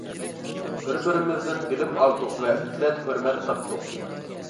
بىر-بىرىمىزدىن بىلىم ئالدۇق ۋە ئىززەت-ھۆرمەت تاپتۇق.